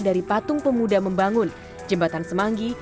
dari patung pemuda membangun jembatan semanggi